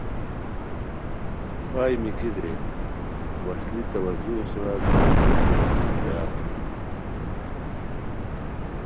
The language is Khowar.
خائے میکی رے وشلی توجہو سورا کار کوریکو بچین تیار ہوئے